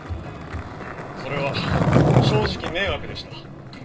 それは正直迷惑でした。